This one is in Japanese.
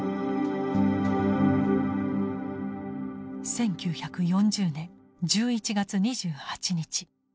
１９４０年１１月２８日。